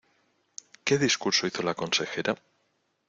¿Qué discurso hizo la consejera?